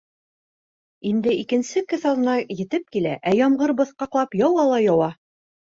Инде икенсе кесаҙна етеп килә, ә ямғыр быҫҡаҡлап яуа ла яуа.